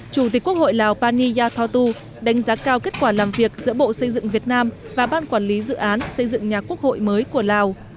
chủ tịch quốc hội lào pani yathotu đánh giá cao kết quả làm việc giữa bộ xây dựng việt nam và ban quản lý dự án xây dựng nhà quốc hội mới của lào